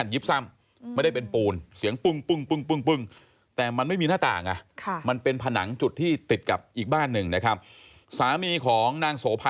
ค่ะได้ยินเสียงน้องพิงตะโกนว่าช่วยด้วยแบบนี้ค่ะ